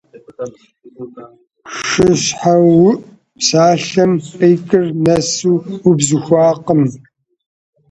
ШыщхьэуӀу псалъэм къикӀыр нэсу убзыхуакъым.